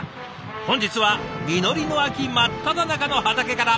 本日は実りの秋真っただ中の畑から。